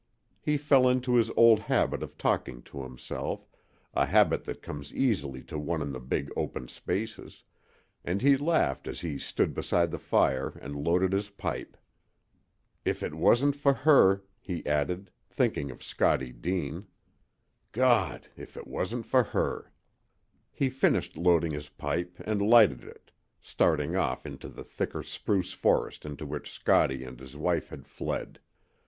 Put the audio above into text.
He fell into his old habit of talking to himself a habit that comes easily to one in the big open spaces and he laughed as he stood beside the fire and loaded his pipe. "If it wasn't for her!" he added, thinking of Scottie Deane. "Gawd if it wasn't for her!" He finished loading his pipe, and lighted it, staring off into the thicker spruce forest into which Scottie and his wife had fled.